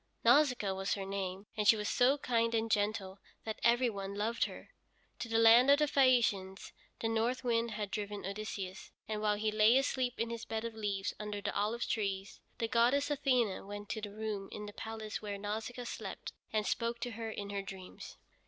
Nausicaa was her name, and she was so kind and gentle that every one loved her. To the land of the Phæacians the north wind had driven Odysseus, and while he lay asleep in his bed of leaves under the olive trees, the goddess Athene went to the room in the palace where Nausicaa slept, and spoke to her in her dreams.